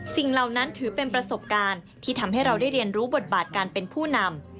เหล่านั้นถือเป็นประสบการณ์ที่ทำให้เราได้เรียนรู้บทบาทการเป็นผู้นำ